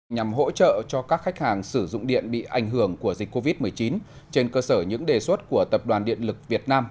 nhằm hỗ trợ cho các khách hàng sử dụng điện bị ảnh hưởng của dịch covid một mươi chín trên cơ sở những đề xuất của tập đoàn điện lực việt nam